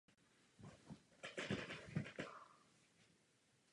A je zde i nádraží označené podle nedalekého města Bakov nad Jizerou.